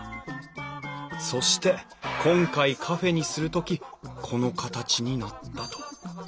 そして今回カフェにする時この形になったと。